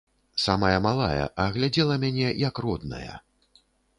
Сама малая, а глядзела мяне, як родная.